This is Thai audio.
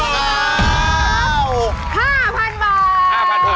๕๐๐๐บาทแล้วครับ